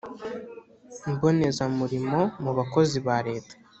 Mbonezamurimo mu bakozi ba leta